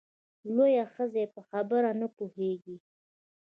لویه ښځه یې په خبره نه پوهېږې !